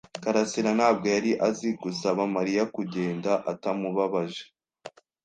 karasira ntabwo yari azi gusaba Mariya kugenda atamubabaje.